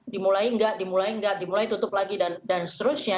dimulai enggak dimulai enggak dimulai tutup lagi dan seterusnya